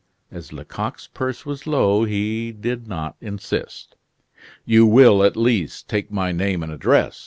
As Lecoq's purse was low, he did not insist. "You will, at least, take my name and address?"